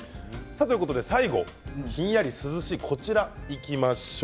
最後ひんやり涼しいこちら、いきましょう。